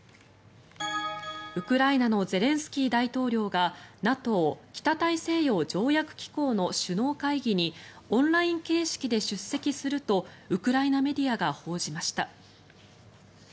ウクライナのゼレンスキー大統領がＮＡＴＯ・北大西洋条約機構の首脳会議にオンライン形式で出席するとウクライナメディアが報じました。